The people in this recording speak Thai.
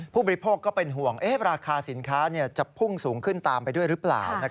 ผู้บริโภคก็เป็นห่วงราคาสินค้าจะพุ่งสูงขึ้นตามไปด้วยหรือเปล่า